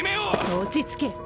落ち着け。